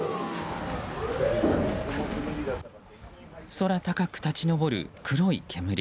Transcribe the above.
空高く立ち上る黒い煙。